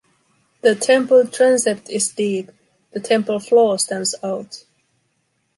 The temple transept is deep, the temple floor stands out.